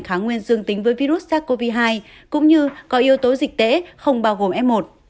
kháng nguyên dương tính với virus sars cov hai cũng như có yếu tố dịch tễ không bao gồm f một